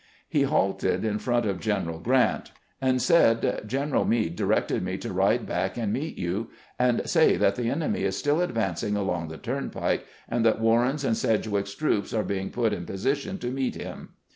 He halted in front of General Grant GRANT AND MEADE PITCH TENTS 49 and said :" General Meade directed me to ride back and meet you, and say that the enemy is still advancing along the turnpike, and that Warren's and Sedgwick's troops are being put in position to meet him."